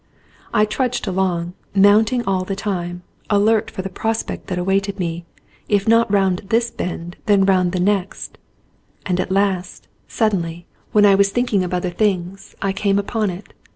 I trudged along, mounting all the time, alert for the prospect that awaited me, if not round this bend, then round the next, and at last, suddenly, when I was thinking 183 ON A CHINESE SCBEEN of other things, I came upon it.